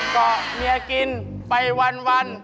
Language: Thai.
เกาะเมียกินไปวัน